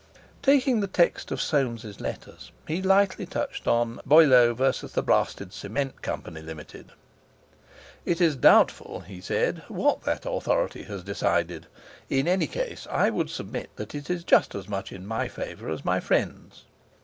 Taking the text of Soames's letters, he lightly touched on "Boileau v. The Blasted Cement Company, Limited." "It is doubtful," he said, "what that authority has decided; in any case I would submit that it is just as much in my favour as in my friend's."